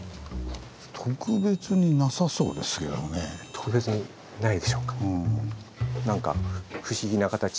特別にないでしょうか。